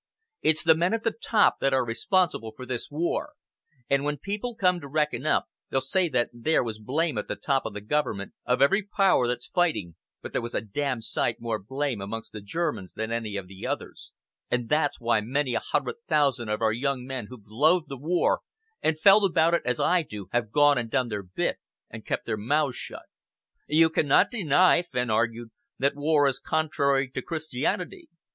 It's the men at the top that are responsible for this war, and when people come to reckon up, they'll say that there was blame up at the top in the Government of every Power that's fighting, but there was a damned sight more blame amongst the Germans than any of the others, and that's why many a hundred thousand of our young men who've loathed the war and felt about it as I do have gone and done their bit and kept their mouths shut." "You cannot deny," Fenn argued, "that war is contrary to Christianity."